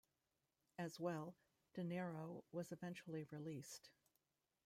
As well, Dinero was eventually released.